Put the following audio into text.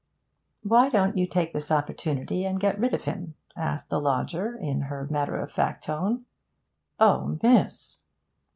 'Why don't you take this opportunity and get rid of him?' asked the lodger in her matter of fact tone. 'Oh, miss!'